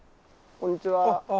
こんにちは。